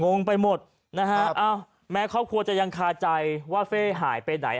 งงไปหมดนะฮะอ้าวแม้ครอบครัวจะยังคาใจว่าเฟ่หายไปไหน